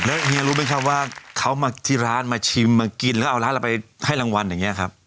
แล้วเฮียรู้ไหมครับว่าเขามาที่ร้านมาชิมมากินแล้วเอาร้านเราไปให้รางวัลอย่างนี้ครับ